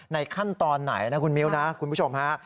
ขั้นตอนไหนนะคุณมิ้วนะคุณผู้ชมฮะ